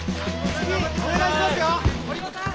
次お願いしますよ！